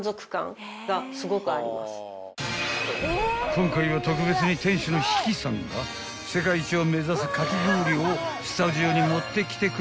［今回は特別に店主の比氣さんが世界一を目指すかき氷をスタジオに持ってきてくれましたよ］